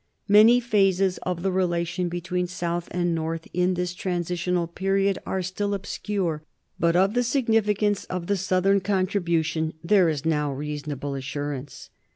Many phases of the relation between south and north in this transitional period are still obscure, but of the significance of the southern contribution there is now reasonable assurance.